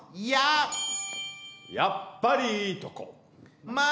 やっぱりいいとこ。